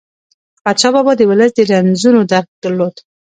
احمدشاه بابا د ولس د رنځونو درک درلود.